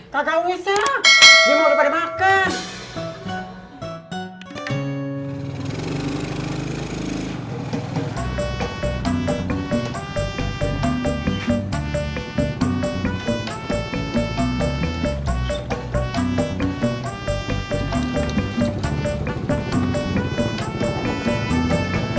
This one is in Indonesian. kagak usah dia mau ke pake makas